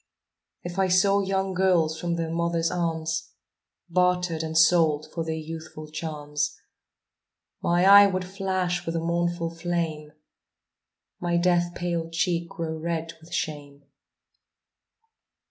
If I saw young girls from their mother's arms Bartered and sold for their youthful charms, My eye would flash with a mournful flame, My death paled cheek grow red with shame.